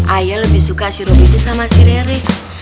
ayah lebih suka si robi itu sama si rere